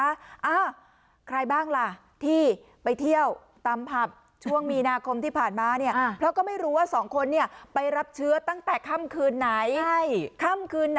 อ้าวใครบ้างล่ะที่ไปเที่ยวตามผับช่วงมีนาคมที่ผ่านมาเนี่ยเพราะก็ไม่รู้ว่าสองคนเนี่ยไปรับเชื้อตั้งแต่ค่ำคืนไหนใช่ค่ำคืนไหน